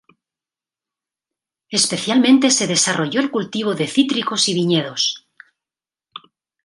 Especialmente se desarrolló el cultivo de cítricos y viñedos.